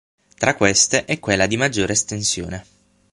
Tra queste è quella di maggiore estensione.